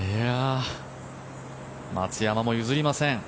松山も譲りません。